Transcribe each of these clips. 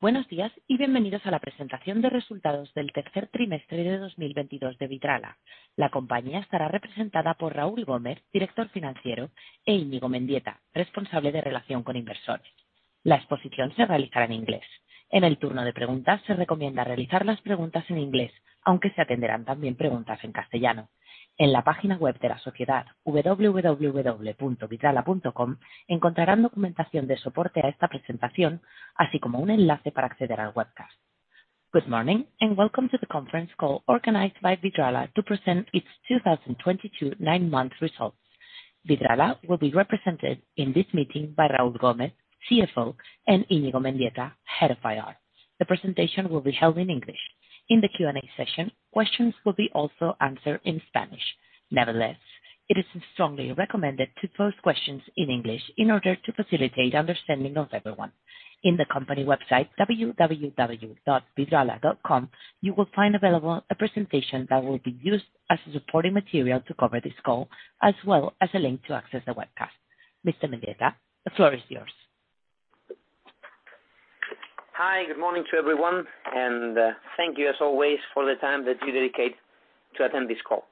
Buenos días y bienvenidos a la presentación de resultados del tercer trimestre de 2022 de Vidrala. La compañía estará representada por Raúl Gómez, Director Financiero, e Iñigo Mendieta, Responsable de Relación con Inversores. La exposición se realizará en inglés. En el turno de preguntas, se recomienda realizar las preguntas en inglés, aunque se atenderán también preguntas en castellano. En la página web de la sociedad, www.vidrala.com, encontrarán documentación de soporte a esta presentación, así como un enlace para acceder al webcast. Good morning and welcome to the conference call organized by Vidrala to present its 2022 nine months results. Vidrala will be represented in this meeting by Raúl Gómez, CFO, and Iñigo Mendieta, Head of IR. The presentation will be held in English. In the Q&A session, questions will be also answered in Spanish. Nevertheless, it is strongly recommended to post questions in English in order to facilitate understanding of everyone. In the company website www.vidrala.com, you will find available a presentation that will be used as supporting material to cover this call, as well as a link to access the webcast. Mr. Mendieta, the floor is yours. Hi, good morning to everyone, and thank you as always for the time that you dedicate to attend this call.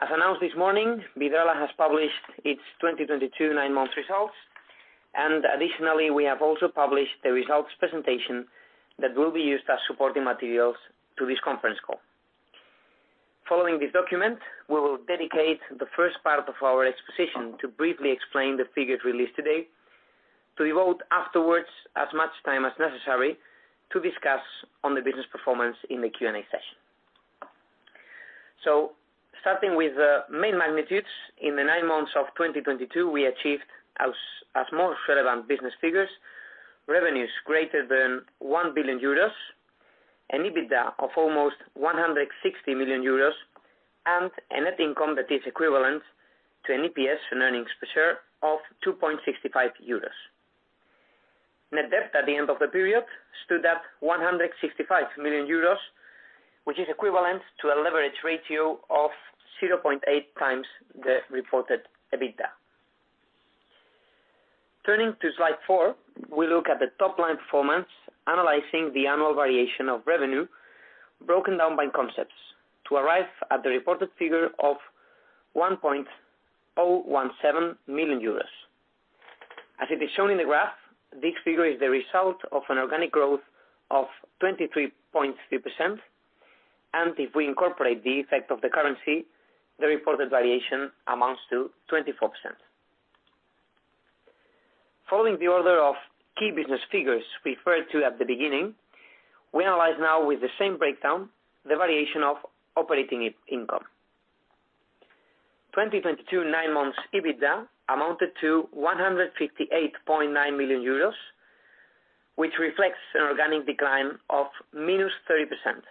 As announced this morning, Vidrala has published its 2022 nine months results. Additionally, we have also published the results presentation that will be used as supporting materials to this conference call. Following this document, we will dedicate the first part of our exposition to briefly explain the figures released today, to devote afterwards as much time as necessary to discuss on the business performance in the Q&A session. Starting with the main magnitudes, in the nine months of 2022, we achieved our more relevant business figures, revenues greater than 1 billion euros, an EBITDA of almost 160 million euros, and a net income that is equivalent to an EPS, an earnings per share, of 2.65 euros. Net debt at the end of the period stood at 165 million euros, which is equivalent to a leverage ratio of 0.8x the reported EBITDA. Turning to slide four, we look at the top-line performance, analyzing the annual variation of revenue broken down by concepts to arrive at the reported figure of 1.017 million euros. As it is shown in the graph, this figure is the result of an organic growth of 23.3%, and if we incorporate the effect of the currency, the reported variation amounts to 24%. Following the order of key business figures referred to at the beginning, we analyze now with the same breakdown the variation of operating income. 2022 nine months EBITDA amounted to 158.9 million euros, which reflects an organic decline of -30%.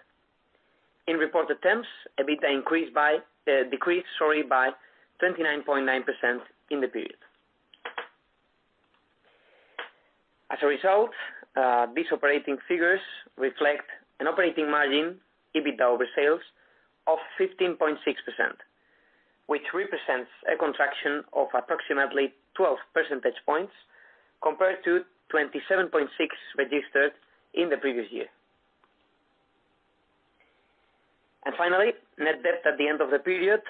In reported terms, EBITDA decreased, sorry, by 29.9% in the period. As a result, these operating figures reflect an operating margin, EBITDA over sales, of 15.6%, which represents a contraction of approximately 12 percentage points compared to 27.6 percentage points registered in the previous year. Finally, net debt at the end of the period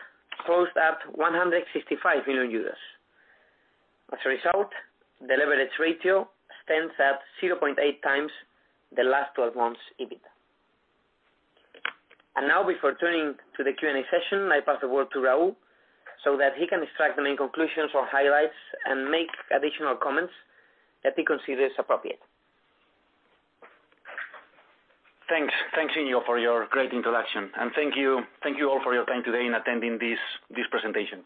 closed at 165 million euros. As a result, the leverage ratio stands at 0.8 times the last twelve months EBITDA. Now, before turning to the Q&A session, I pass the word to Raúl so that he can extract the main conclusions or highlights and make additional comments that he considers appropriate. Thanks. Thanks, Iñigo, for your great introduction. Thank you all for your time today in attending this presentation.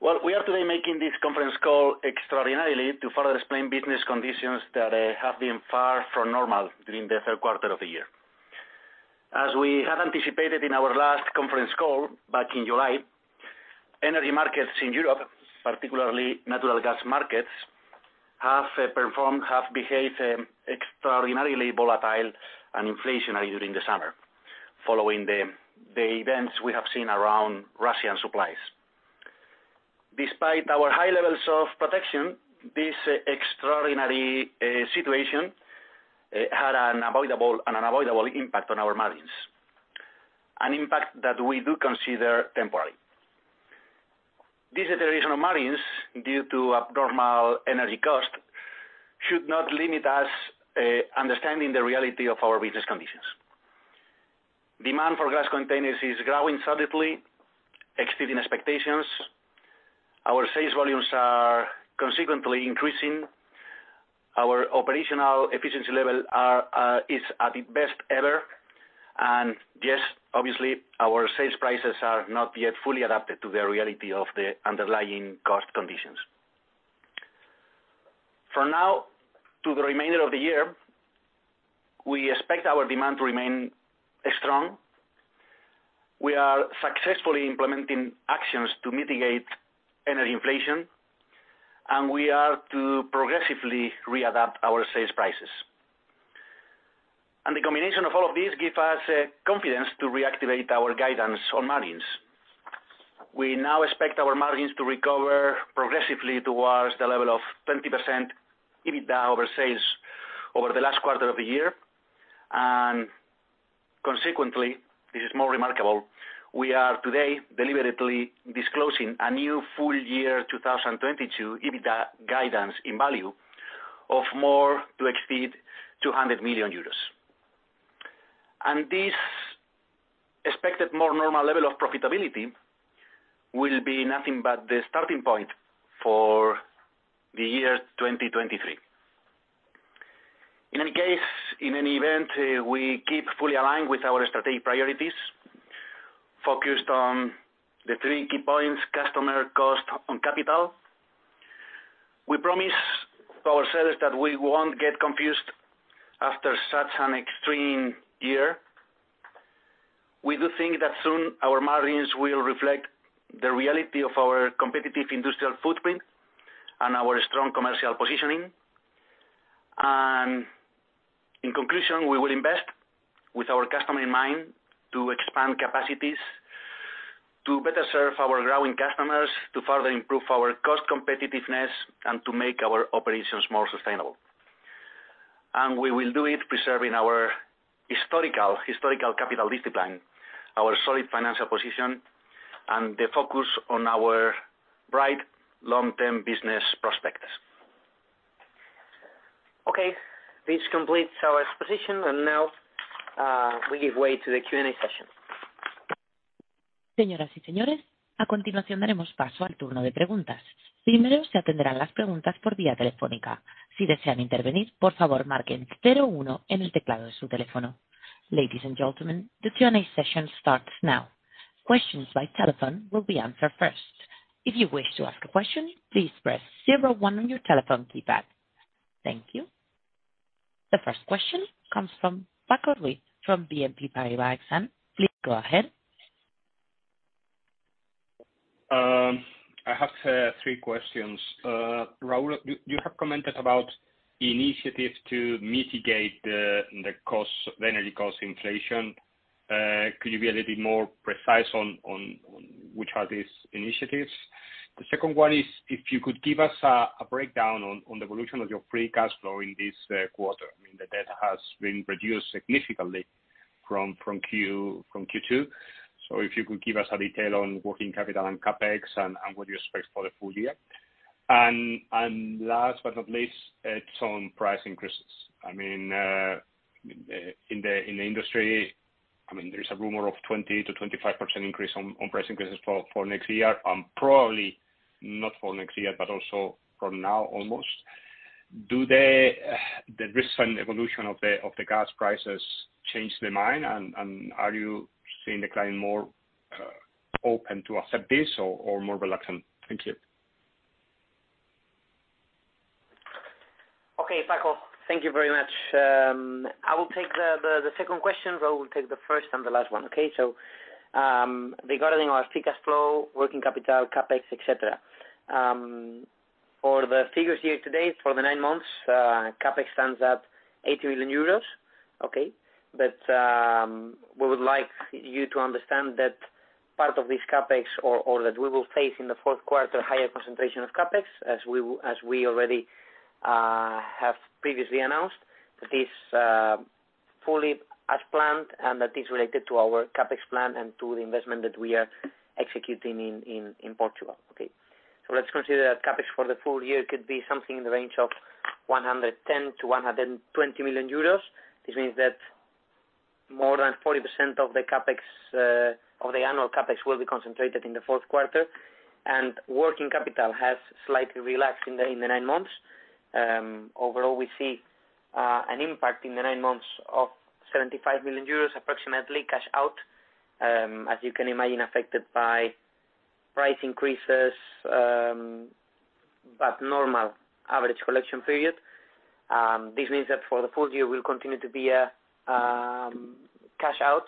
Well, we are today making this conference call extraordinarily to further explain business conditions that have been far from normal during the third quarter of the year. As we had anticipated in our last conference call back in July, energy markets in Europe, particularly natural gas markets, have behaved extraordinarily volatile and inflationary during the summer, following the events we have seen around Russian supplies. Despite our high levels of protection, this extraordinary situation had an unavoidable impact on our margins. An impact that we do consider temporary. This deterioration of margins due to abnormal energy cost should not limit us understanding the reality of our business conditions. Demand for glass containers is growing solidly, exceeding expectations. Our sales volumes are consequently increasing. Our operational efficiency level is at the best ever. Yes, obviously, our sales prices are not yet fully adapted to the reality of the underlying cost conditions. For now, to the remainder of the year, we expect our demand to remain strong. We are successfully implementing actions to mitigate energy inflation, and we are to progressively readapt our sales prices. The combination of all of these give us confidence to reactivate our guidance on margins. We now expect our margins to recover progressively towards the level of 20% EBITDA over sales over the last quarter of the year. Consequently, this is more remarkable, we are today deliberately disclosing a new full year 2022 EBITDA guidance in value of more than EUR 200 million. This expected more normal level of profitability will be nothing but the starting point for the year 2023. In any case, in any event, we keep fully aligned with our strategic priorities, focused on the three key points, customer, cost, and capital. We promise ourselves that we won't get confused after such an extreme year. We do think that soon our margins will reflect the reality of our competitive industrial footprint and our strong commercial positioning. In conclusion, we will invest with our customer in mind to expand capacities, to better serve our growing customers, to further improve our cost competitiveness, and to make our operations more sustainable. We will do it preserving our historical capital discipline, our solid financial position, and the focus on our bright long-term business prospectus. Okay, this completes our exposition. Now, we give way to the Q&A session. Ladies and gentlemen, the Q&A session starts now. Questions by telephone will be answered first. If you wish to ask a question, please press zero one on your telephone keypad. Thank you. The first question comes from Francisco Ruiz from BNP Paribas, and please go ahead. I have three questions. Raúl, you have commented about initiatives to mitigate the costs, the energy cost inflation. Could you be a little bit more precise on which are these initiatives? The second one is if you could give us a breakdown on the evolution of your free cash flow in this quarter. I mean, the debt has been reduced significantly from Q2. If you could give us a detail on working capital and CapEx and what you expect for the full year. Last but not least, it's on price increases. I mean, in the industry, I mean, there's a rumor of 20%-25% increase on price increases for next year, and probably not for next year, but also for now, almost. Do the recent evolution of the gas prices change the mind and are you seeing the client more open to accept this or more reluctant? Thank you. Okay. Paco, thank you very much. I will take the second question. Raúl will take the first and the last one. Okay. Regarding our free cash flow, working capital, CapEx, et cetera. For the figures here today, for the nine months, CapEx stands at 80 million euros, okay? We would like you to understand that part of this CapEx or that we will face in the fourth quarter higher concentration of CapEx, as we already have previously announced, that is fully as planned, and that is related to our CapEx plan and to the investment that we are executing in Portugal, okay? Let's consider that CapEx for the full year could be something in the range of 110 million-120 million euros. This means that more than 40% of the CapEx of the annual CapEx will be concentrated in the fourth quarter. Working capital has slightly relaxed in the nine months. Overall, we see an impact in the nine months of 75 million euros, approximately cash out, as you can imagine, affected by price increases, but normal average collection period. This means that for the full year will continue to be a cash out,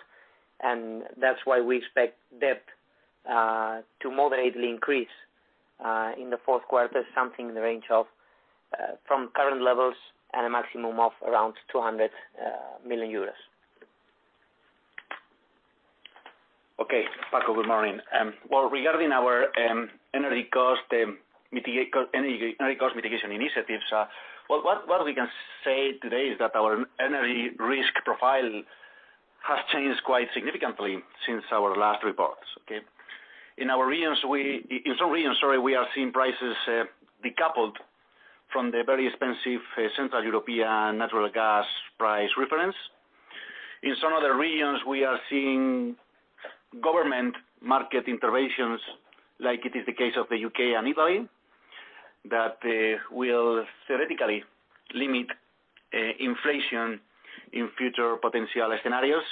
and that's why we expect debt to moderately increase in the fourth quarter, something in the range of from current levels at a maximum of around 200 million euros. Okay. Paco, good morning. Well, regarding our energy cost mitigation initiatives, what we can say today is that our energy risk profile has changed quite significantly since our last reports, okay? In some regions, we are seeing prices decoupled from the very expensive central European natural gas price reference. In some other regions, we are seeing government market interventions, as is the case of the U.K. and Italy, that will theoretically limit inflation in future potential scenarios.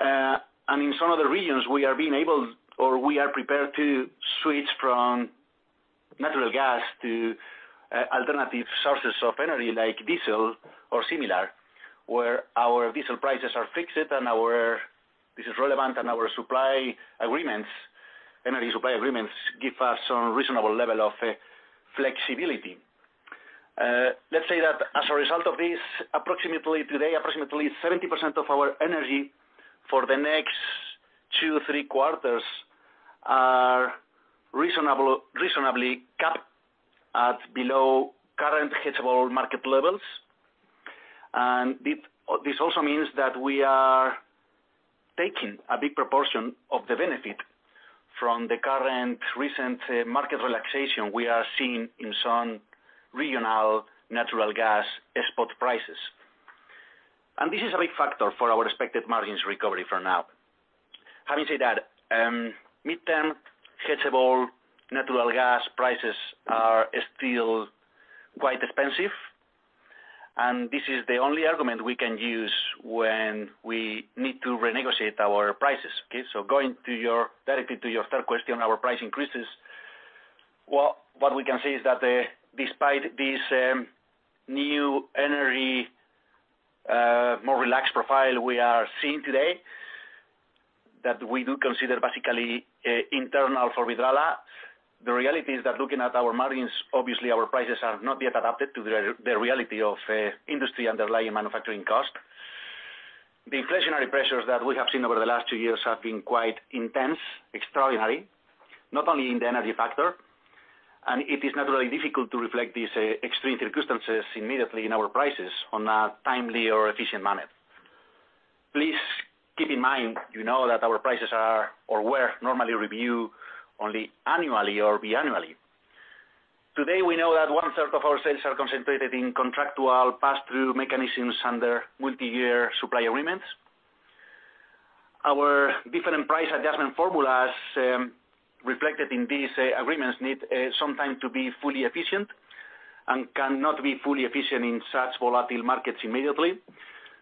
In some other regions, we are being able or we are prepared to switch from natural gas to alternative sources of energy like diesel or similar, where our diesel prices are fixed and our. This is relevant and our energy supply agreements give us some reasonable level of flexibility. Let's say that as a result of this, approximately today, 70% of our energy for the next two, three quarters are reasonably capped at below current hedgeable market levels. This also means that we are taking a big proportion of the benefit from the current recent market relaxation we are seeing in some regional natural gas export prices. This is a big factor for our expected margins recovery for now. Having said that, midterm hedgeable natural gas prices are still quite expensive, and this is the only argument we can use when we need to renegotiate our prices. Okay. Going directly to your third question, our price increases, well, what we can say is that, despite this new energy, more relaxed profile we are seeing today, that we do consider basically internal to Vidrala, the reality is that looking at our margins, obviously our prices are not yet adapted to the reality of industry underlying manufacturing cost. The inflationary pressures that we have seen over the last two years have been quite intense, extraordinary, not only in the energy factor. It is very difficult to reflect these extreme circumstances immediately in our prices in a timely or efficient manner. Please keep in mind, you know that our prices are or were normally reviewed only annually or biannually. Today, we know that 1/3 of our sales are concentrated in contractual pass-through mechanisms under multi-year supply agreements. Our different price adjustment formulas, reflected in these agreements, need some time to be fully efficient and cannot be fully efficient in such volatile markets immediately.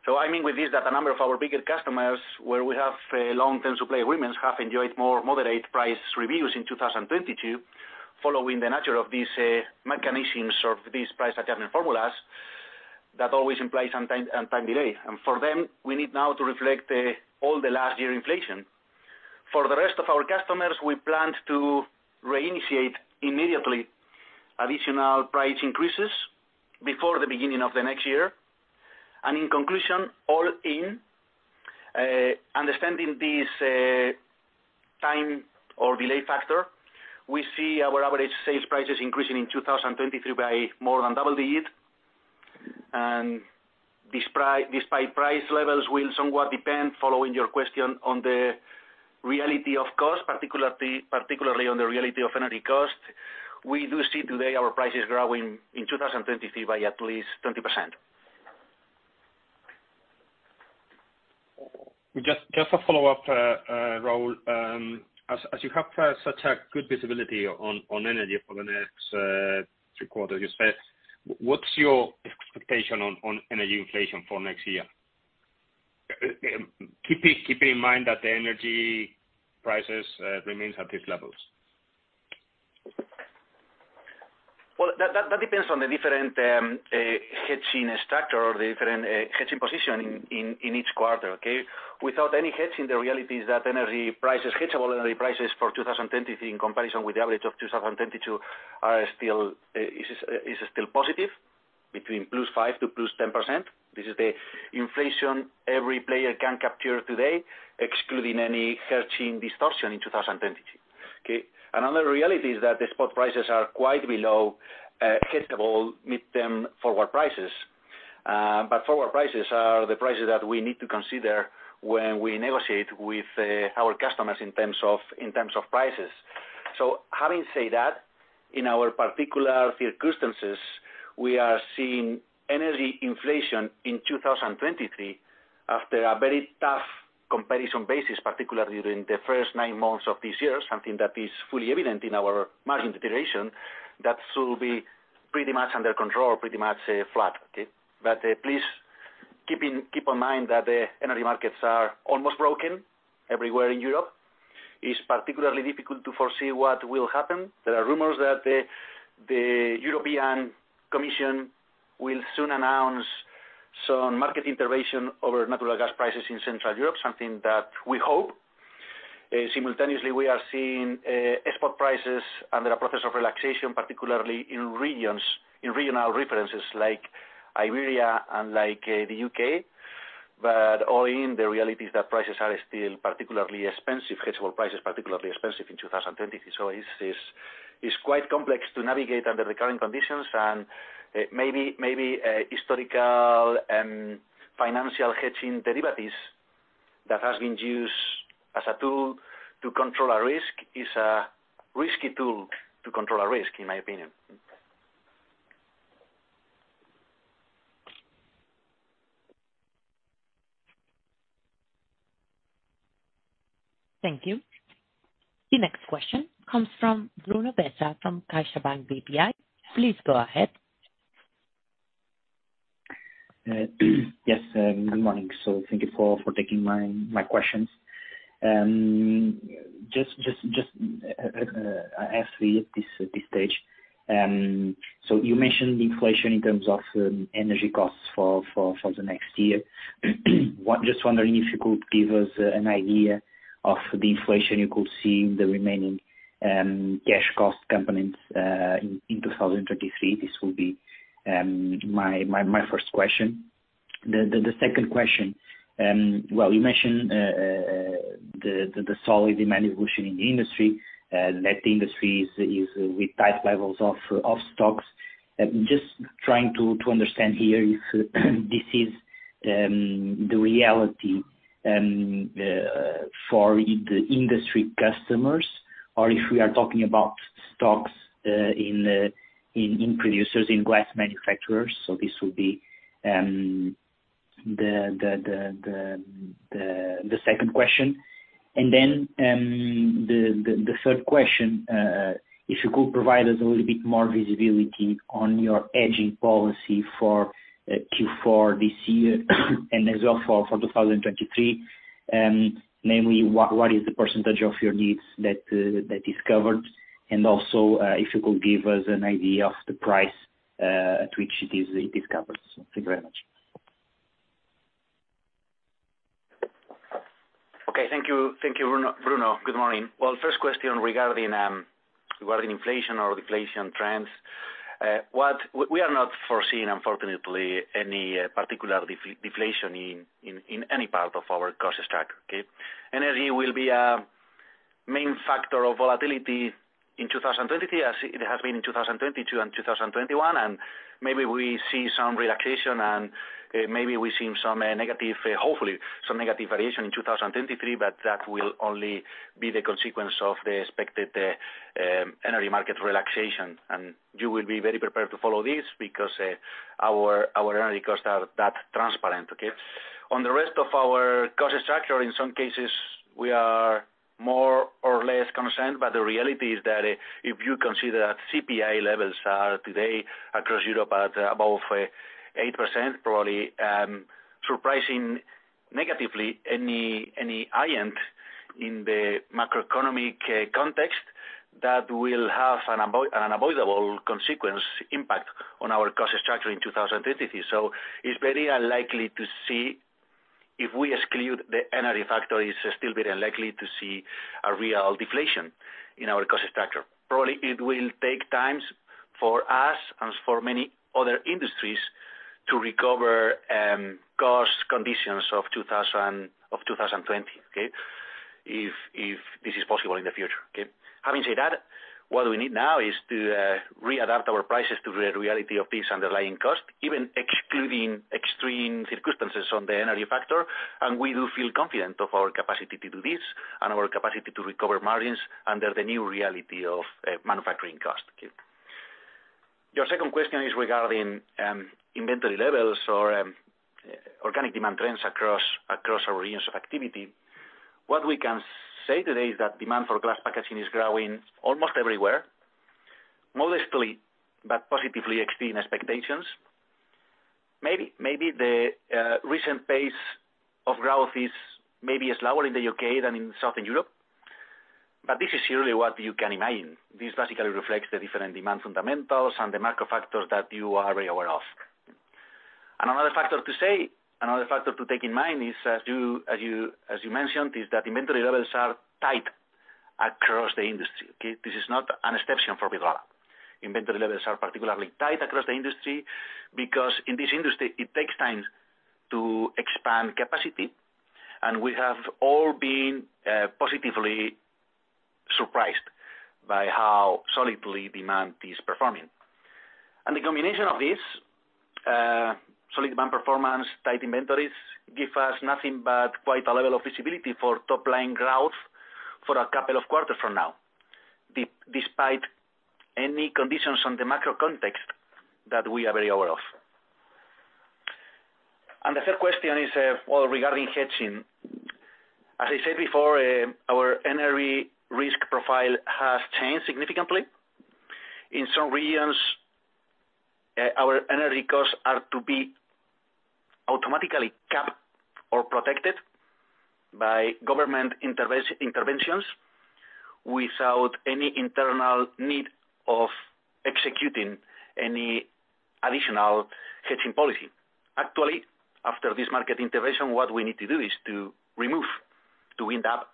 I mean with this, that a number of our bigger customers, where we have long-term supply agreements, have enjoyed more moderate price reviews in 2022, following the nature of these mechanisms or these price adjustment formulas, that always implies some time delay. For them, we need now to reflect all the last year inflation. For the rest of our customers, we plan to re-initiate immediately additional price increases before the beginning of the next year. In conclusion, all in understanding this time or delay factor, we see our average sales prices increasing in 2023 by more than double-digit. Despite price levels will somewhat depend following your question on the reality of cost, particularly on the reality of energy cost, we do see today our prices growing in 2023 by at least 20%. Just a follow-up, Raúl, as you have such a good visibility on energy for the next three quarters you said, what's your expectation on energy inflation for next year? Keeping in mind that the energy prices remains at these levels. Well, that depends on the different hedging structure or the different hedging position in each quarter. Okay? Without any hedging, the reality is that energy prices, hedgeable energy prices for 2023 in comparison with the average of 2022 are still positive, between +5% to +10%. This is the inflation every player can capture today, excluding any hedging distortion in 2022. Okay? Another reality is that the spot prices are quite below hedgeable midterm forward prices. Forward prices are the prices that we need to consider when we negotiate with our customers in terms of prices. Having said that, in our particular circumstances, we are seeing energy inflation in 2023 after a very tough comparison basis, particularly during the first nine months of this year, something that is fully evident in our margin deterioration, that will be pretty much under control, pretty much flat. Please keep in mind that the energy markets are almost broken everywhere in Europe. It's particularly difficult to foresee what will happen. There are rumors that the European Commission will soon announce some market intervention over natural gas prices in Central Europe, something that we hope. Simultaneously, we are seeing export prices under a process of relaxation, particularly in regional references like Iberia and like the U.K.. All in, the reality is that prices are still particularly expensive, hedgeable prices particularly expensive in 2023. It's quite complex to navigate under the current conditions and, maybe, historical and financial hedging derivatives that has been used as a tool to control our risk is a risky tool to control our risk, in my opinion. Thank you. The next question comes from Bruno Bessa from CaixaBank BPI. Please go ahead. Good morning. Thank you for taking my questions. You mentioned inflation in terms of energy costs for the next year. Just wondering if you could give us an idea of the inflation you could see in the remaining cash cost components in 2023. This will be my first question. The second question, well, you mentioned the solid demand evolution in the industry, that the industry is with tight levels of stocks. Just trying to understand here if this is the reality for the industry customers, or if we are talking about stocks in the producers, in glass manufacturers. This would be the second question. The third question, if you could provide us a little bit more visibility on your hedging policy for Q4 this year and as well for 2023, namely, what is the percentage of your needs that is covered, and also, if you could give us an idea of the price at which it is covered. Thank you very much. Okay. Thank you. Thank you, Bruno. Good morning. Well, first question regarding inflation or deflation trends. We are not foreseeing, unfortunately, any particular deflation in any part of our cost structure, okay? Energy will be a main factor of volatility in 2023 as it has been in 2022 and 2021, and maybe we see some relaxation and maybe we see some negative, hopefully some negative variation in 2023, but that will only be the consequence of the expected energy market relaxation. You will be very prepared to follow this because our energy costs are that transparent, okay? On the rest of our cost structure, in some cases we are more or less concerned, but the reality is that if you consider CPI levels are today across Europe at about 8%, probably surprising negatively any analyst in the macroeconomic context that will have an unavoidable consequence impact on our cost structure in 2033. It's very unlikely to see, if we exclude the energy factor, it's still very unlikely to see a real deflation in our cost structure. Probably it will take time for us, as for many other industries, to recover cost conditions of 2020, okay? If this is possible in the future, okay? Having said that, what we need now is to readapt our prices to the reality of this underlying cost, even excluding extreme circumstances on the energy factor, and we do feel confident of our capacity to do this and our capacity to recover margins under the new reality of manufacturing cost, okay. Your second question is regarding inventory levels or organic demand trends across our regions of activity. What we can say today is that demand for glass packaging is growing almost everywhere, modestly but positively exceeding expectations. Maybe the recent pace of growth is lower in the U.K. than in Southern Europe, but this is really what you can imagine. This basically reflects the different demand fundamentals and the macro factors that you are very aware of. Another factor to take in mind is, as you mentioned, is that inventory levels are tight across the industry, okay? This is not an exception for Vidrala. Inventory levels are particularly tight across the industry because in this industry, it takes time to expand capacity, and we have all been positively surprised by how solidly demand is performing. The combination of this solid demand performance, tight inventories, give us nothing but quite a level of visibility for top-line growth for a couple of quarters from now, despite any conditions on the macro context that we are very aware of. The third question is, well, regarding hedging. As I said before, our energy risk profile has changed significantly. In some regions, our energy costs are to be automatically capped or protected by government interventions without any internal need of executing any additional hedging policy. Actually, after this market intervention, what we need to do is to remove, to wind up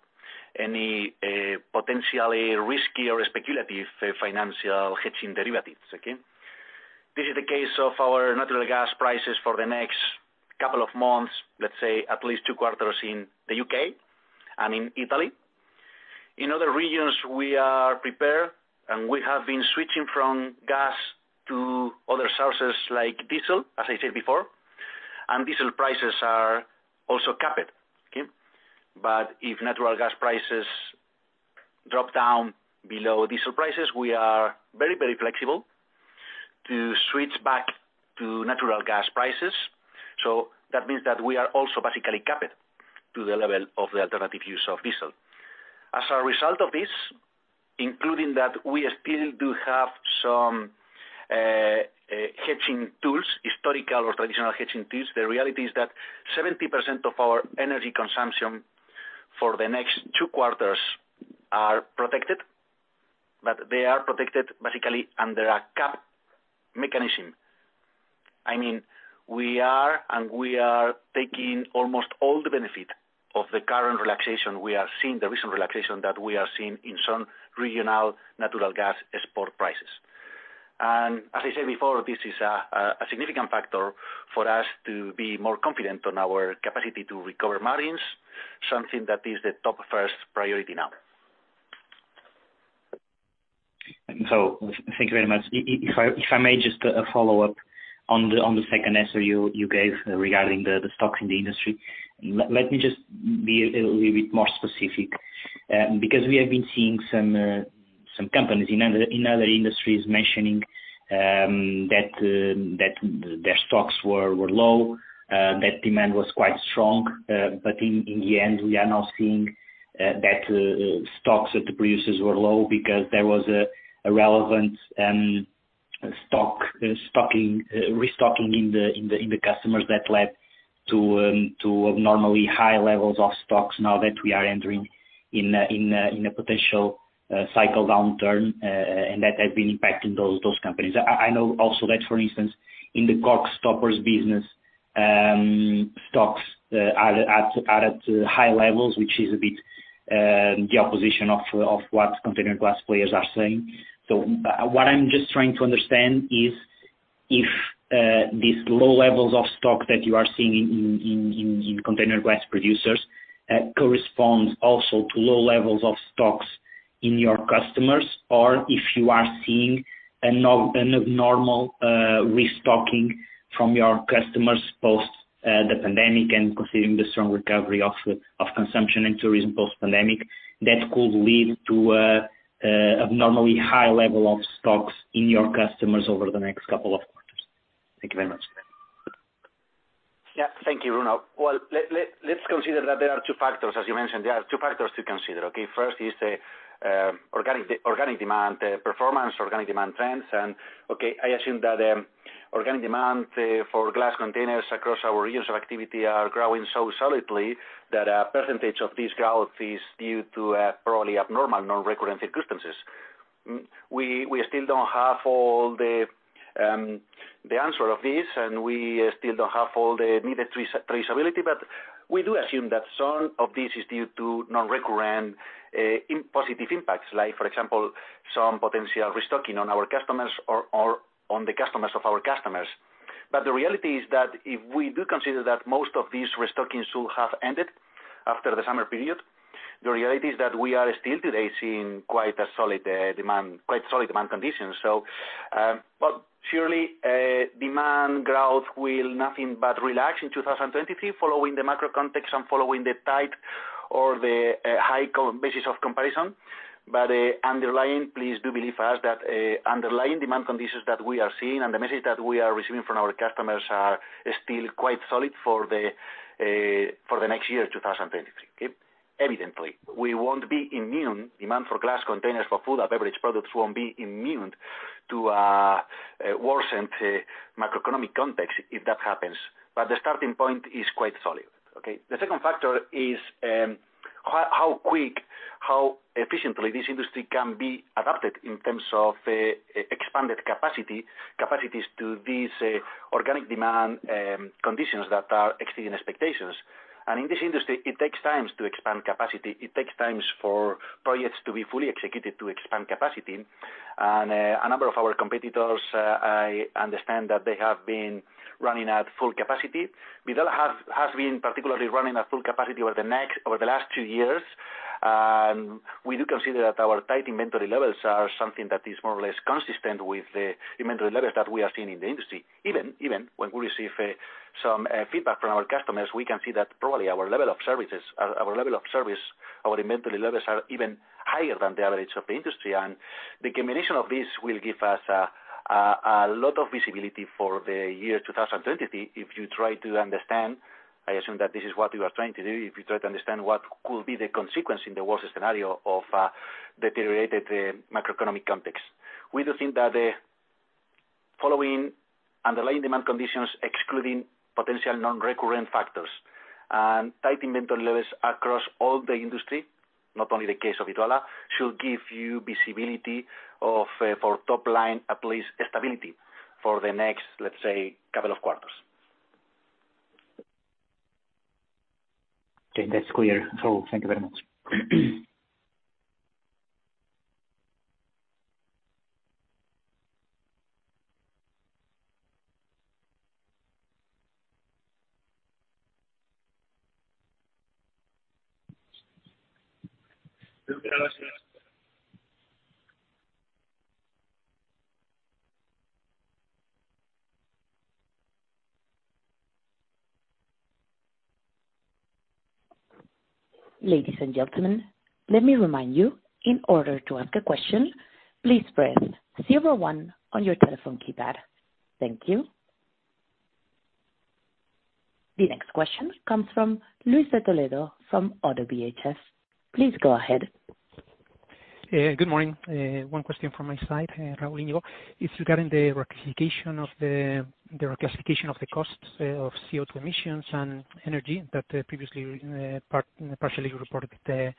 any potentially risky or speculative financial hedging derivatives, okay? This is the case of our natural gas prices for the next couple of months, let's say at least two quarters in the U.K. and in Italy. In other regions, we are prepared, and we have been switching from gas to other sources like diesel, as I said before, and diesel prices are also capped, okay? If natural gas prices drop down below diesel prices, we are very, very flexible to switch back to natural gas prices. That means that we are also basically capped to the level of the alternative use of diesel. As a result of this, including that we still do have some hedging tools, historical or traditional hedging tools, the reality is that 70% of our energy consumption for the next two quarters are protected, but they are protected basically under a cap mechanism. I mean, we are, and we are taking almost all the benefit of the current relaxation we are seeing, the recent relaxation that we are seeing in some regional natural gas export prices. As I said before, this is a significant factor for us to be more confident on our capacity to recover margins, something that is the top first priority now. Thank you very much. If I may just follow up on the second answer you gave regarding the stocks in the industry. Let me just be a little bit more specific, because we have been seeing some companies in other industries mentioning that their stocks were low, that demand was quite strong. But in the end, we are now seeing that stocks at the producers were low because there was a relevant restocking in the customers that led to abnormally high levels of stocks now that we are entering in a potential cycle downturn, and that have been impacting those companies. I know also that for instance, in the cork stoppers business, stocks are at high levels, which is a bit the opposite of what container glass players are saying. What I'm just trying to understand is if these low levels of stock that you are seeing in container glass producers corresponds also to low levels of stocks in your customers, or if you are seeing an abnormal restocking from your customers post the pandemic and considering the strong recovery of consumption and tourism post-pandemic, that could lead to an abnormally high level of stocks in your customers over the next couple of quarters. Thank you very much. Yeah. Thank you, Bruno. Well, let's consider that there are two factors. As you mentioned, there are two factors to consider, okay? First is the organic demand performance, organic demand trends. Okay, I assume that organic demand for glass containers across our regions of activity are growing so solidly that a percentage of this growth is due to probably abnormal non-recurrent circumstances. We still don't have all the answer of this, and we still don't have all the needed traceability, but we do assume that some of this is due to non-recurrent positive impacts. Like for example, some potential restocking on our customers or on the customers of our customers. The reality is that if we do consider that most of these restocking should have ended after the summer period, the reality is that we are still today seeing quite a solid demand, quite solid demand conditions. Demand growth will nothing but relax in 2023 following the macro context and following the high comparison basis of comparison. Underlying, please do believe us that underlying demand conditions that we are seeing and the message that we are receiving from our customers are still quite solid for the next year, 2023. Okay. Evidently, we won't be immune. Demand for glass containers for food or beverage products won't be immune to a worsened macroeconomic context if that happens, but the starting point is quite solid. Okay. The second factor is how quick, how efficiently this industry can be adapted in terms of expanded capacity, capacities to these organic demand conditions that are exceeding expectations. In this industry, it takes time to expand capacity. It takes time for projects to be fully executed to expand capacity. A number of our competitors, I understand that they have been running at full capacity. Vidrala has been particularly running at full capacity over the last two years. We do consider that our tight inventory levels are something that is more or less consistent with the inventory levels that we are seeing in the industry. Even when we receive some feedback from our customers, we can see that probably our level of service, our inventory levels are even higher than the average of the industry. The combination of this will give us a lot of visibility for the year 2023. If you try to understand, I assume that this is what you are trying to do, if you try to understand what could be the consequence in the worst scenario of deteriorated macroeconomic context. We do think that the following underlying demand conditions, excluding potential non-recurrent factors and tight inventory levels across all the industry, not only the case of Vidrala, should give you visibility for top line, at least stability for the next, let's say, couple of quarters. Okay. That's clear. Thank you very much. Ladies and gentlemen, let me remind you, in order to ask a question, please press zero-one on your telephone keypad. Thank you. The next question comes from Luis De Toledo from ODDO BHF. Please go ahead. Good morning. One question from my side, Raúl Iñigo. It's regarding the reclassification of the costs of CO2 emissions and energy that previously partially reported at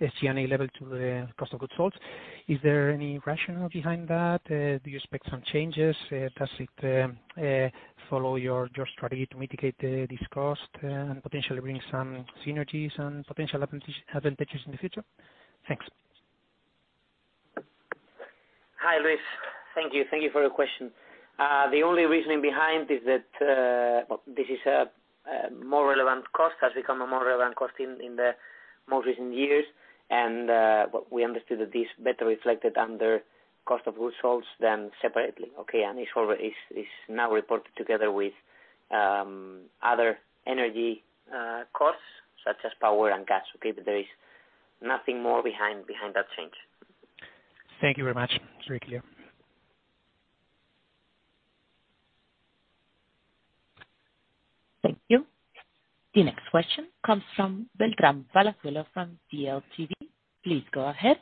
the G&A level to the cost of goods sold. Is there any rationale behind that? Do you expect some changes? Does it follow your strategy to mitigate this cost and potentially bring some synergies and potential advantages in the future? Thanks. Hi, Luis. Thank you. Thank you for your question. The only reasoning behind is that this has become a more relevant cost in the more recent years. We understood that this better reflected under cost of goods sold than separately, okay? It is now reported together with other energy costs, such as power and gas, okay? There is nothing more behind that change. Thank you very much. It's very clear. Thank you. The next question comes from Beltrán Palazuelo from DLTV. Please go ahead.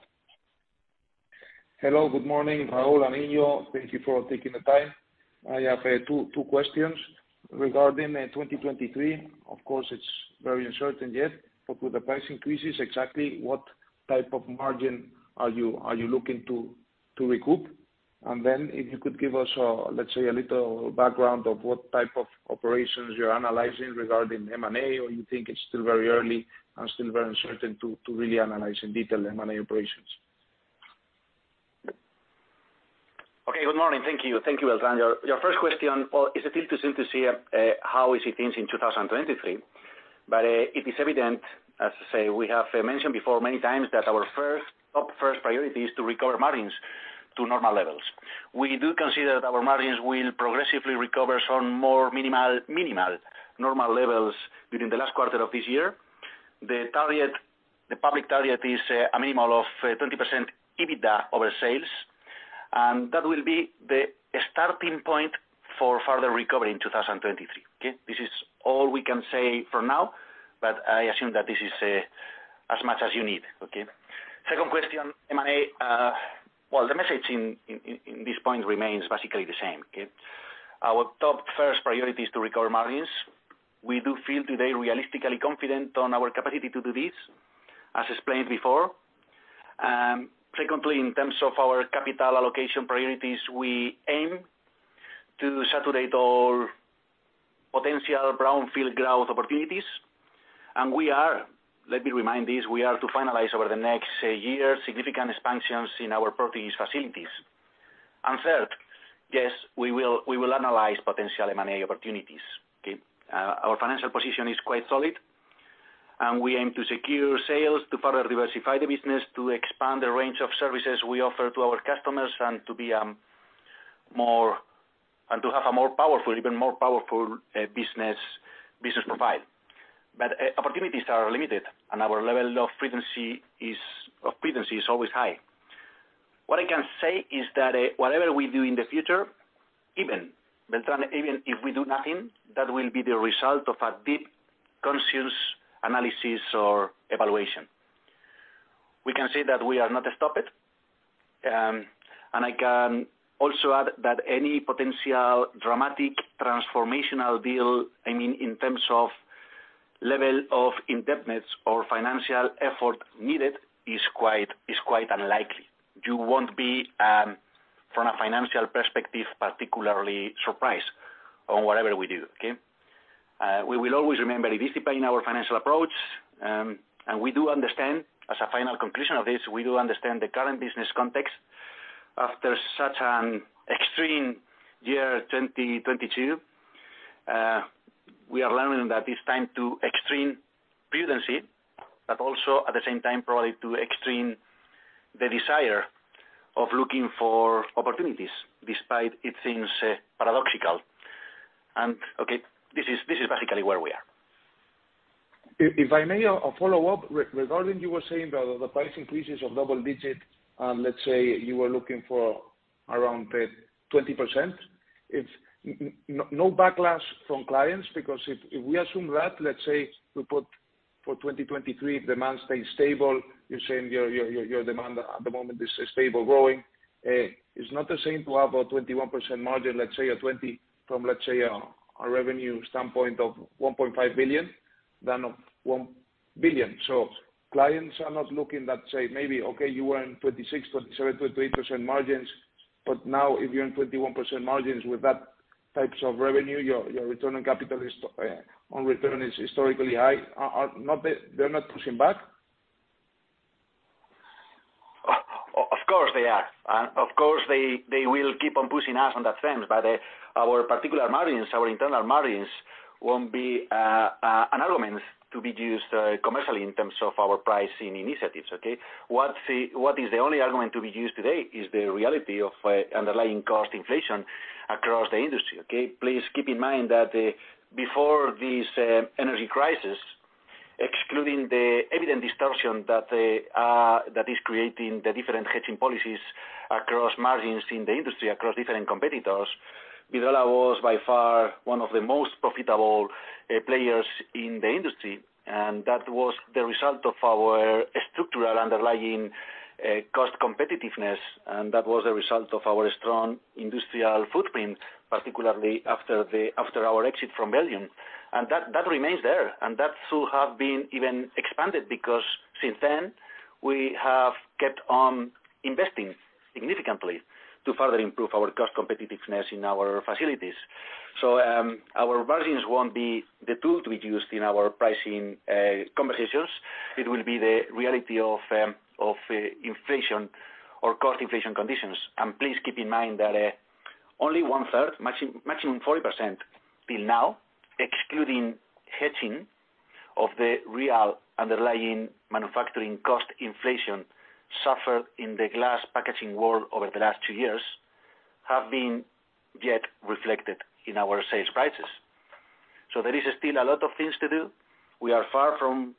Hello, good morning, Raúl Iñigo. Thank you for taking the time. I have two questions. Regarding 2023, of course it's very uncertain yet, but with the price increases, exactly what type of margin are you looking to recoup? If you could give us, let's say a little background of what type of operations you're analyzing regarding M&A, or you think it's still very early and still very uncertain to really analyze in detail M&A operations? Okay. Good morning. Thank you. Thank you, Beltrán. Your first question, well, is a little too soon to see how things are in 2023. It is evident, as I say, we have mentioned before many times that our top priority is to recover margins to normal levels. We do consider that our margins will progressively recover to some minimal normal levels within the last quarter of this year. The target, the public target is a minimum of 20% EBITDA over sales, and that will be the starting point for further recovery in 2023, okay? This is all we can say for now, but I assume that this is as much as you need, okay? Second question, M&A, well, the message in this point remains basically the same, okay? Our top first priority is to recover margins. We do feel today realistically confident on our capacity to do this, as explained before. Frequently, in terms of our capital allocation priorities, we aim to saturate all potential brownfield growth opportunities. We are, let me remind this, we are to finalize over the next year significant expansions in our production facilities. Third, yes, we will analyze potential M&A opportunities, okay? Our financial position is quite solid, and we aim to secure sales to further diversify the business, to expand the range of services we offer to our customers and to be more and to have a more powerful, even more powerful, business profile. Opportunities are limited, and our level of prudence is always high. What I can say is that, whatever we do in the future, even, Beltrán, even if we do nothing, that will be the result of a deep conscious analysis or evaluation. We can say that we are not a stop it. I can also add that any potential dramatic transformational deal, I mean, in terms of level of indebtedness or financial effort needed, is quite unlikely. You won't be, from a financial perspective, particularly surprised on whatever we do, okay? We will always remain disciplined in our financial approach, and we do understand the current business context. After such an extreme year, 2022, we are learning that it's time to extreme prudence, but also at the same time probably to extreme the desire of looking for opportunities, despite it seeming paradoxical. Okay, this is basically where we are. If I may, a follow-up regarding what you were saying about the double-digit price increases, and let's say you are looking for around 20%. Is there no backlash from clients? Because if we assume that, let's say we put for 2023, demand stays stable, you're saying your demand at the moment is stable growing. It's not the same to have a 21% margin, let's say, or 20% from a revenue standpoint of 1.5 billion than of 1 billion. So clients are not looking at that, say, maybe, okay, you were in 26%, 27%, 28% margins, but now if you're in 21% margins with that type of revenue, your return on capital is historically high. Aren't they pushing back? Of course they are. Of course they will keep on pushing us in that sense. But our particular margins, our internal margins won't be an argument to be used commercially in terms of our pricing initiatives, okay? What is the only argument to be used today is the reality of underlying cost inflation across the industry, okay? Please keep in mind that before this energy crisis, excluding the evident distortion that is creating the different hedging policies across margins in the industry, across different competitors, Vidrala was by far one of the most profitable players in the industry. That was the result of our structural underlying cost competitiveness, and that was a result of our strong industrial footprint, particularly after our exit from Belgium. That remains there. That too have been even expanded, because since then, we have kept on investing significantly to further improve our cost competitiveness in our facilities. Our margins won't be the tool to be used in our pricing conversations. It will be the reality of inflation or cost inflation conditions. Please keep in mind that only 1/3, maximum 40% till now, excluding hedging of the real underlying manufacturing cost inflation suffered in the glass packaging world over the last two years have been yet reflected in our sales prices. There is still a lot of things to do. We are far from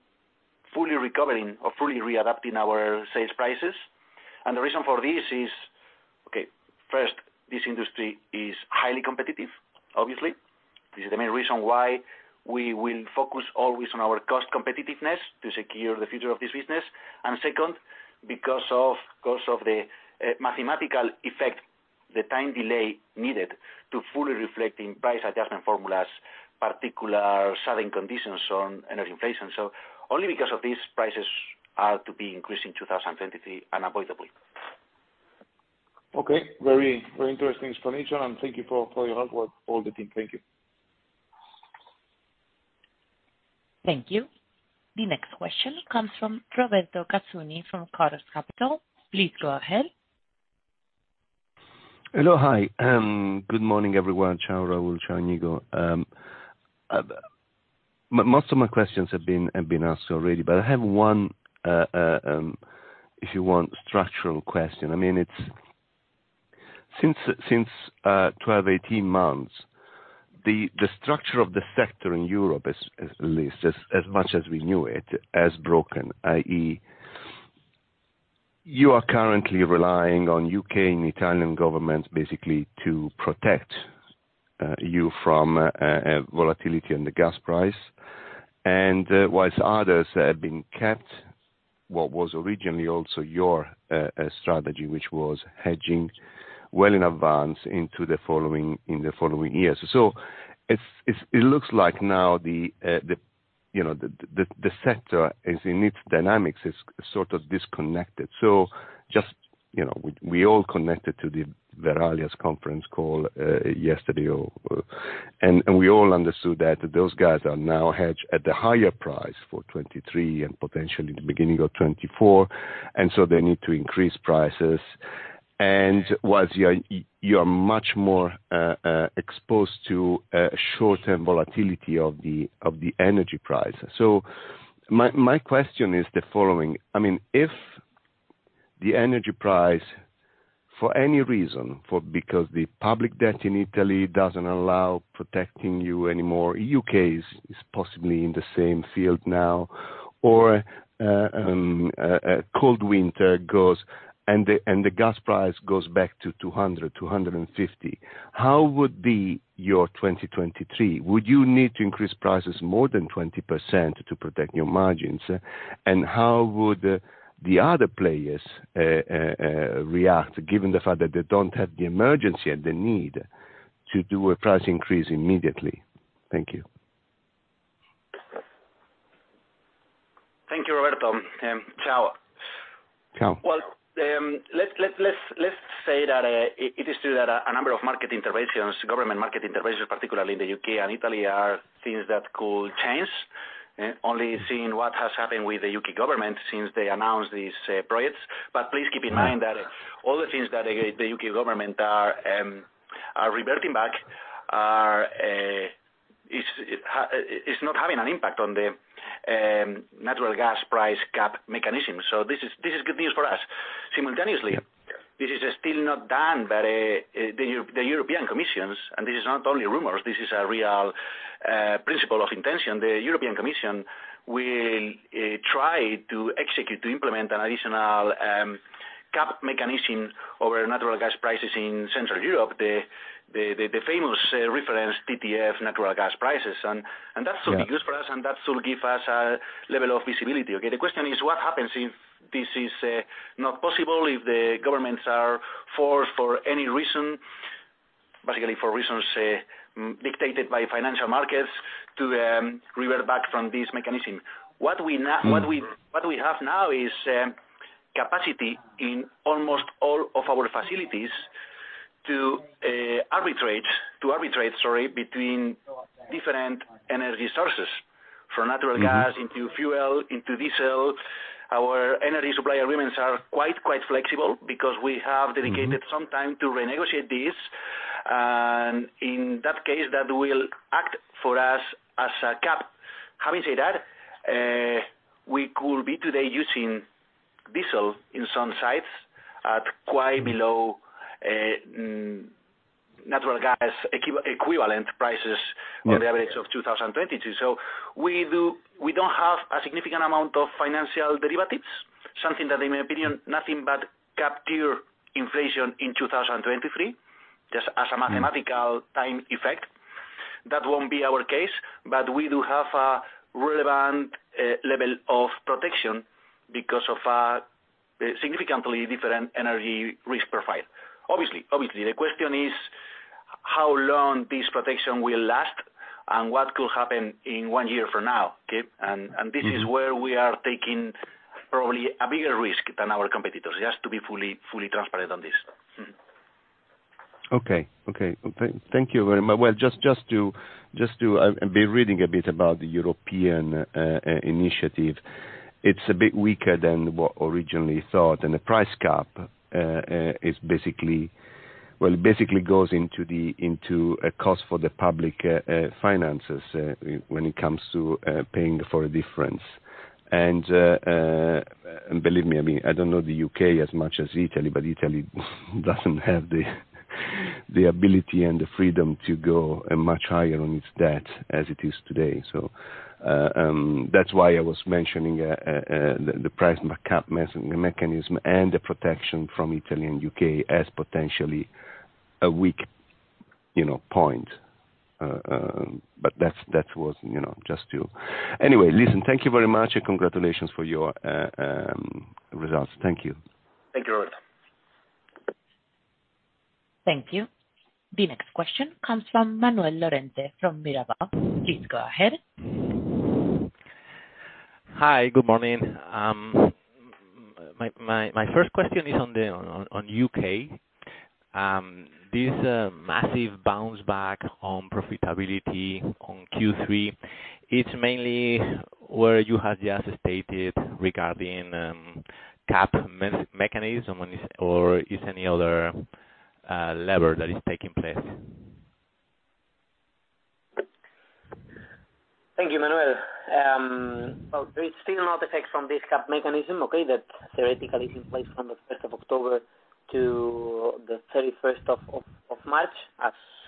fully recovering or fully readapting our sales prices. The reason for this is. Okay. First, this industry is highly competitive, obviously. This is the main reason why we will focus always on our cost competitiveness to secure the future of this business. Second, because of the mathematical effect, the time delay needed to fully reflect in price adjustment formulas, particular selling conditions on energy inflation. Only because of this, prices are to be increased in 2023 unavoidably. Okay. Very, very interesting explanation, and thank you for your hard work, all the team. Thank you. Thank you. The next question comes from Roberto Cassoni from Carlos Capital. Please go ahead. Hello, hi. Good morning, everyone. Ciao, Raúl. Ciao, Iñigo. Most of my questions have been asked already, but I have one, if you want, structural question. I mean, it's since 12-18 months, the structure of the sector in Europe at least, as much as we knew it, has broken, i.e., you are currently relying on U.K. and Italian governments basically to protect you from volatility in the gas price. While others have kept what was originally also your strategy, which was hedging well in advance into the following years. It looks like now the, you know, the sector in its dynamics is sort of disconnected. You know, we all connected to Verallia's conference call yesterday. We all understood that those guys are now hedged at the higher price for 2023 and potentially the beginning of 2024, and so they need to increase prices. While you are much more exposed to short-term volatility of the energy price. My question is the following: I mean, if the energy price, for any reason, because the public debt in Italy doesn't allow protecting you anymore, U.K. is possibly in the same boat now, or a cold winter comes and the gas price goes back to 200-250, how would be your 2023? Would you need to increase prices more than 20% to protect your margins? How would the other players react, given the fact that they don't have the emergency and the need to do a price increase immediately? Thank you. Thank you, Roberto. Ciao. Ciao. Well, let's say that it is true that a number of market interventions, government market interventions, particularly in the U.K. and Italy, are things that could change. Only seeing what has happened with the U.K. government since they announced these projects. Please keep in mind that all the things that the U.K. government are reverting back is not having an impact on the natural gas price cap mechanism. This is good news for us. Simultaneously, this is still not done, but the European Commission, and this is not only rumors, this is a real principle of intention. The European Commission will try to execute, to implement an additional cap mechanism over natural gas prices in Central Europe, the famous reference TTF natural gas prices. That's Yeah. Also good for us, and that will give us a level of visibility, okay. The question is, what happens if this is not possible, if the governments are forced for any reason, basically for reasons dictated by financial markets, to revert back from this mechanism? What we n- Mm-hmm. What we have now is capacity in almost all of our facilities to arbitrate, sorry, between different energy sources. From natural gas Mm-hmm. into fuel, into diesel. Our energy supply agreements are quite flexible because we have dedicated- Mm-hmm. some time to renegotiate these. In that case, that will act for us as a cap. Having said that, we could be today using diesel in some sites at quite below natural gas equivalent prices. Yeah, yeah. on the average of 2022. We don't have a significant amount of financial derivatives, something that, in my opinion, nothing but capture inflation in 2023, just as a- Mm-hmm. Mathematical time effect. That won't be our case. We do have a relevant level of protection because of a significantly different energy risk profile. Obviously, the question is how long this protection will last and what could happen in one year from now, okay? And this- Mm-hmm. This is where we are taking probably a bigger risk than our competitors, just to be fully transparent on this. Okay. Thank you very much. Well, just to. I've been reading a bit about the European initiative. It's a bit weaker than what originally thought, and the price cap is basically. Well, it basically goes into a cost for the public finances, when it comes to paying for a difference. Believe me, I mean, I don't know the U.K. as much as Italy, but Italy doesn't have the ability and the freedom to go much higher on its debt as it is today. That's why I was mentioning the price mechanism and the protection from Italy and U.K. as potentially a weak point. But that was, you know, just to. Anyway, listen, thank you very much, and congratulations for your results. Thank you. Thank you. Thank you. The next question comes from Manuel Lorente from Mirabaud. Please go ahead. Hi. Good morning. My first question is on the U.K.. This massive bounce back on profitability on Q3, it's mainly what you have just stated regarding capacity mechanism, or is there any other lever that is taking place? Thank you, Manuel. Well, there is still an effect from this cap mechanism, okay? That theoretically is in place from the first of October to the thirty-first of March,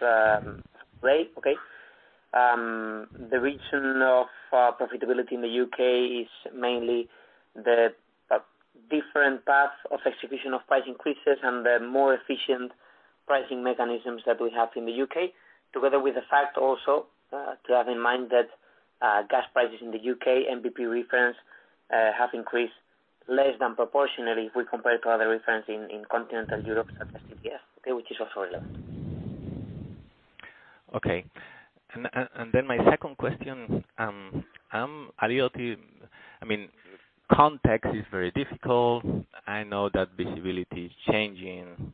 okay. The region of profitability in the U.K. is mainly the different path of execution of price increases and the more efficient pricing mechanisms that we have in the U.K., together with the fact also to have in mind that gas prices in the U.K., NBP reference, have increased less than proportionally if we compare to other reference in continental Europe, such as TTF, okay, which is also relevant. Okay. Then my second question, I mean, context is very difficult. I know that visibility is changing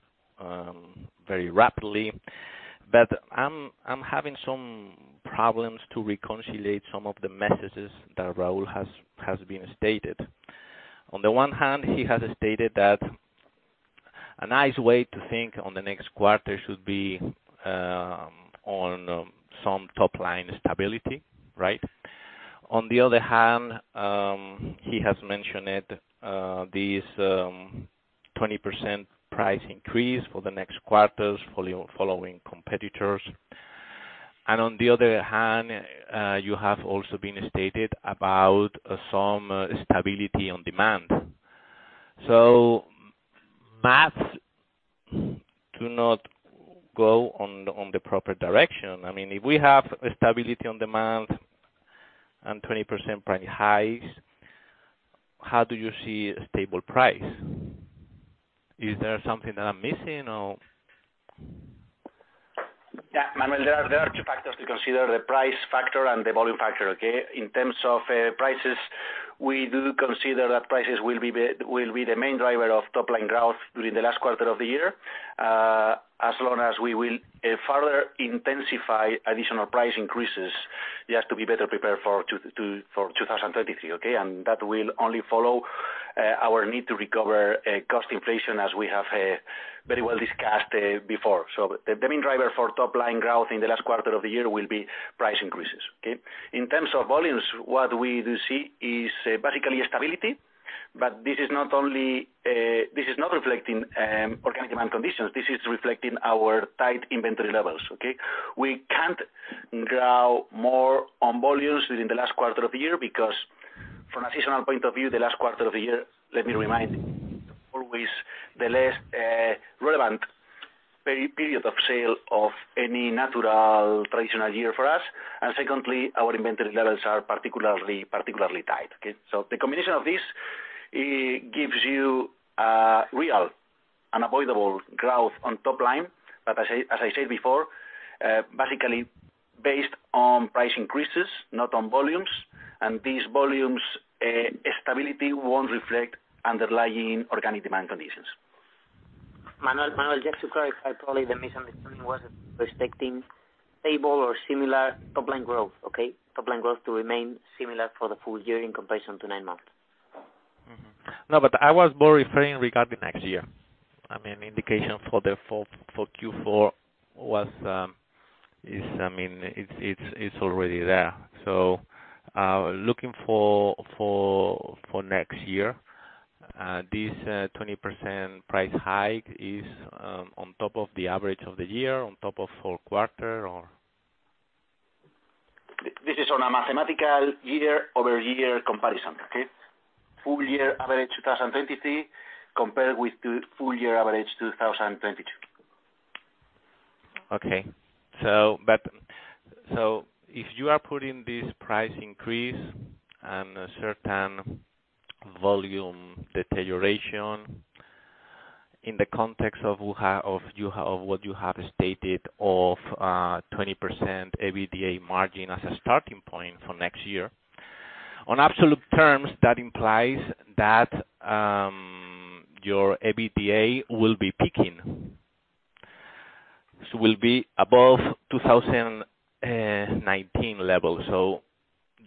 very rapidly, but I'm having some problems to reconcile some of the messages that Raúl has stated. On the one hand, he has stated that a nice way to think on the next quarter should be on some top line stability, right? On the other hand, he has mentioned these 20% price increase for the next quarters following competitors. On the other hand, you have also stated about some stability on demand. Math does not go in the proper direction. I mean, if we have stability on demand and 20% price hikes, how do you see a stable price? Is there something that I'm missing or? Yeah, Manuel, there are two factors to consider, the price factor and the volume factor, okay? In terms of prices, we do consider that prices will be the main driver of top-line growth during the last quarter of the year, as long as we will further intensify additional price increases, just to be better prepared for 2023, okay? That will only follow our need to recover cost inflation as we have very well discussed before. The main driver for top-line growth in the last quarter of the year will be price increases, okay? In terms of volumes, what we do see is basically a stability, but this is not reflecting organic demand conditions. This is reflecting our tight inventory levels, okay? We can't grow more on volumes within the last quarter of the year because from a seasonal point of view, the last quarter of the year, let me remind, always the less relevant period of sale of any natural traditional year for us. Secondly, our inventory levels are particularly tight, okay? The combination of this, it gives you real unavoidable growth on top line, but as I said before, basically based on price increases, not on volumes. These volumes stability won't reflect underlying organic demand conditions. Manuel, just to clarify, probably the misunderstanding was regarding stable or similar top-line growth, okay? Top-line growth to remain similar for the full year in comparison to nine months. No, I was more referring regarding next year. I mean, indication for Q4 is, I mean, it's already there. Looking for next year, this 20% price hike is on top of the average of the year, on top of fall quarter or? This is on a mathematical year-over-year comparison, okay? Full year average 2023 compared with the full year average 2022. If you are putting this price increase and a certain volume deterioration in the context of what you have stated of 20% EBITDA margin as a starting point for next year, on absolute terms, that implies that your EBITDA will be peaking. It will be above 2019 level.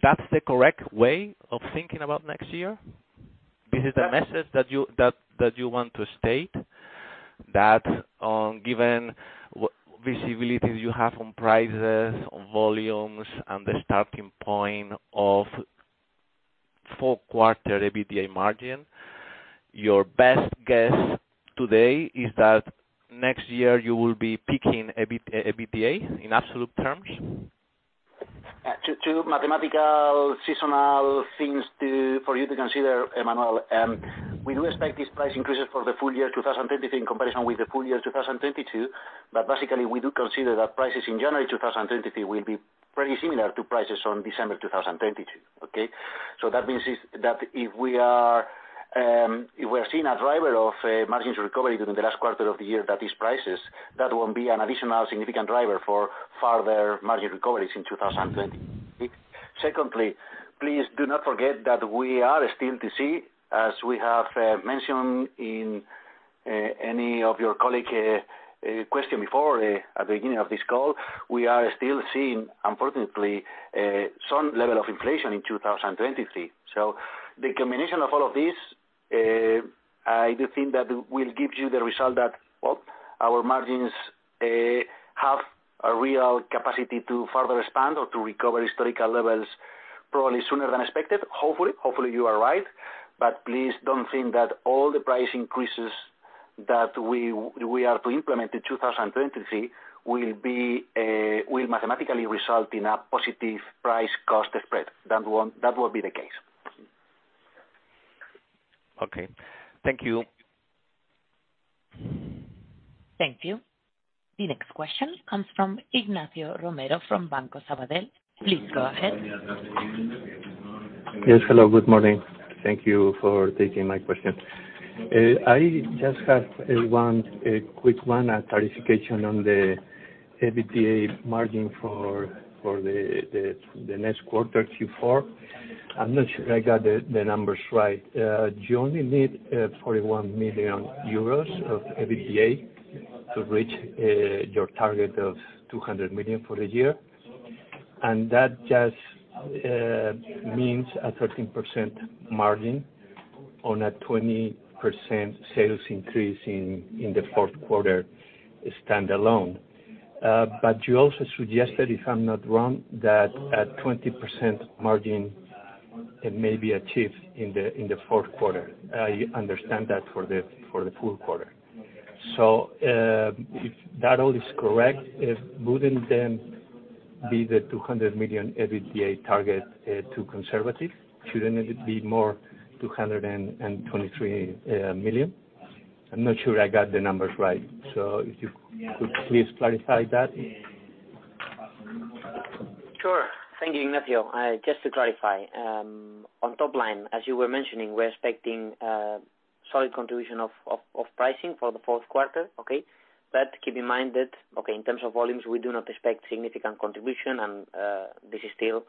That's the correct way of thinking about next year? This is the message that you want to state, that given what visibility you have on prices, on volumes, and the starting point of fourth quarter EBITDA margin, your best guess today is that next year you will be peaking EBITDA in absolute terms? Yeah. Two mathematical seasonal things for you to consider, Manuel. We do expect these price increases for the full year 2023 in comparison with the full year 2022, but basically we do consider that prices in January 2023 will be pretty similar to prices on December 2022. Okay? That means, that if we're seeing a driver of margins recovery during the last quarter of the year at these prices, that won't be an additional significant driver for further margin recoveries in 2024. Secondly, please do not forget that we are still to see, as we have mentioned in any of your colleague question before, at the beginning of this call, we are still seeing, unfortunately, some level of inflation in 2023. The combination of all of this, I do think that will give you the result that, well, our margins have a real capacity to further expand or to recover historical levels probably sooner than expected. Hopefully. Hopefully you are right, but please don't think that all the price increases that we are to implement in 2023 will mathematically result in a positive price cost spread. That won't be the case. Okay. Thank you. Thank you. The next question comes from Ignacio Romero from Banco Sabadell. Please go ahead. Yes, hello. Good morning. Thank you for taking my question. I just have one, a quick one, a clarification on the EBITDA margin for the next quarter, Q4. I'm not sure I got the numbers right. You only need 41 million euros of EBITDA to reach your target of 200 million for the year. That just means a 13% margin on a 20% sales increase in the fourth quarter standalone. You also suggested, if I'm not wrong, that a 20% margin may be achieved in the fourth quarter. I understand that for the full quarter. If that all is correct, it wouldn't then be the 200 million EBITDA target too conservative? Shouldn't it be more 223 million? I'm not sure I got the numbers right. If you could please clarify that. Sure. Thank you, Ignacio. Just to clarify, on top line, as you were mentioning, we're expecting solid contribution of pricing for the fourth quarter, okay? Keep in mind that, okay, in terms of volumes, we do not expect significant contribution and this is still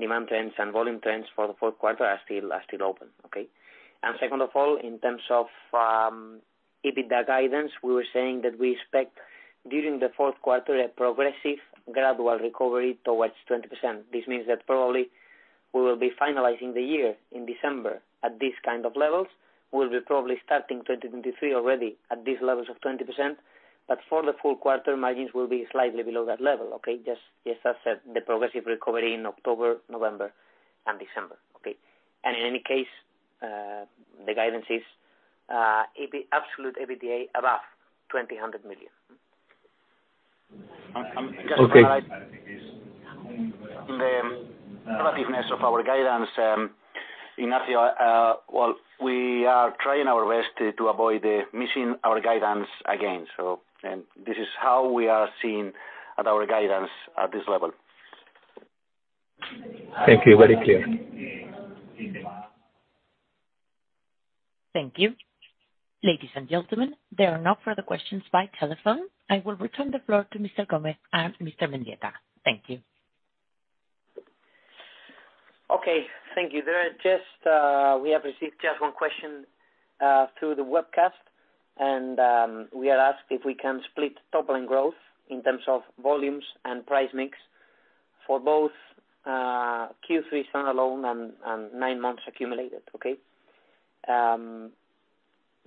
demand trends and volume trends for the fourth quarter are still open, okay? Second of all, in terms of EBITDA guidance, we were saying that we expect during the fourth quarter a progressive gradual recovery towards 20%. This means that probably we will be finalizing the year in December at this kind of levels. We'll be probably starting 2023 already at these levels of 20%, but for the full quarter, margins will be slightly below that level, okay? Just as said, the progressive recovery in October, November and December. Okay? In any case, the guidance is absolute EBITDA above EUR 200 million. Okay. The effectiveness of our guidance, Ignacio, well, we are trying our best to avoid missing our guidance again. This is how we are sticking to our guidance at this level. Thank you. Very clear. Thank you. Ladies and gentlemen, there are no further questions by telephone. I will return the floor to Mr. Gómez and Mr. Mendieta. Thank you. Okay. Thank you. There are just we have received just one question through the webcast, and we are asked if we can split top line growth in terms of volumes and price mix for both Q3 standalone and nine months accumulated. Okay?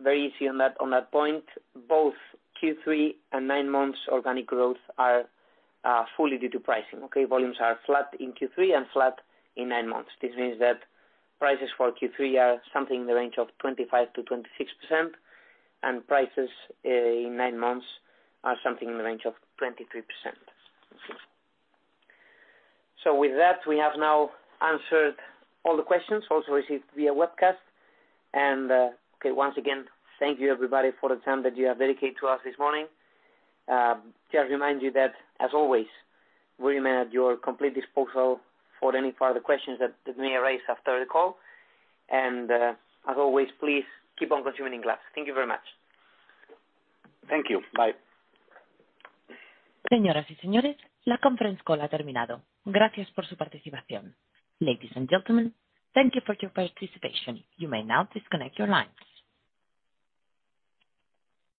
Very easy on that point. Both Q3 and nine months organic growth are fully due to pricing, okay? Volumes are flat in Q3 and flat in nine months. This means that prices for Q3 are something in the range of 25%-26%, and prices in nine months are something in the range of 23%. With that, we have now answered all the questions also received via webcast. Okay, once again, thank you everybody for the time that you have dedicated to us this morning. Just remind you that, as always, we remain at your complete disposal for any further questions that may arise after the call. Please keep on consuming glass. Thank you very much. Thank you. Bye. Ladies and gentlemen, thank you for your participation. You may now disconnect your lines.